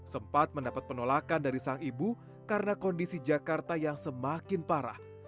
sempat mendapat penolakan dari sang ibu karena kondisi jakarta yang semakin parah